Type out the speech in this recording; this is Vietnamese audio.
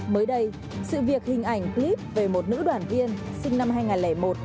mới đây sự việc hình ảnh clip về một nữ đoàn viên sinh năm hai nghìn một